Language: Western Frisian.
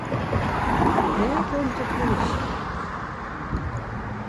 Dêr komt de polysje.